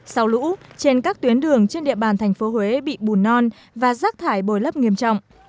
sau lũ trên các tuyến đường trên địa bàn thành phố huế bị bùn non và rác thải bồi lấp nghiêm trọng